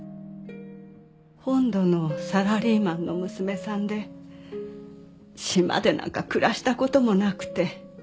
本土のサラリーマンの娘さんで島でなんか暮らしたこともなくて。